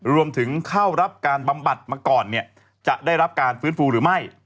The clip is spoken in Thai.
รวมถึงเข้ารับการบำบัดมาก่อนจะได้รับการฟื้นฟูหรือไม่